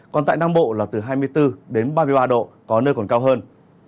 còn tại nam bộ là từ hai mươi bốn đến ba mươi ba độ có nơi còn cao hơn